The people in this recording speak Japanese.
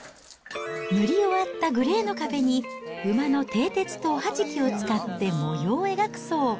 塗り終わったグレーの壁に、馬のてい鉄とおはじきを使って模様を描くそう。